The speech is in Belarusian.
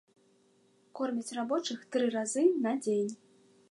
Кормяць рабочых тры разы на дзень.